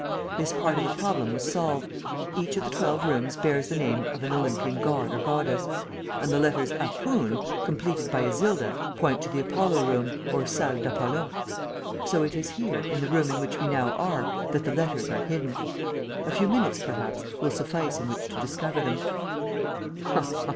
This part of the problem was solved: each of the twelve rooms bears the name of an Olympian god or goddess; and the letters APOON, completed by Isilda, point to the Apollo Room or Salle d'Apollon. So it is here, in the room in which we now are, that the letters are hidden. A few minutes, perhaps, will suffice in which to discover them."